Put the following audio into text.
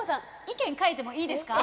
意見変えてもいいですか？